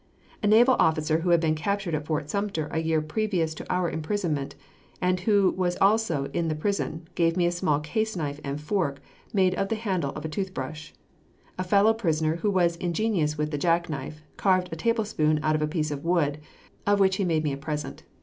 A naval officer who had been captured at Fort Sumter a year previous to our imprisonment, and who was also in this prison, gave me a small caseknife and a fork made of the handle of a toothbrush. A fellow prisoner who was ingenious with the jackknife, carved a tablespoon out of a piece of wood, of which he made me a present.